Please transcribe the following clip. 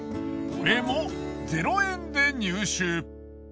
これも０円で入手。